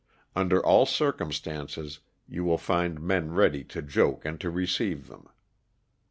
Under all circumstances you will find men ready to joke and to receive them.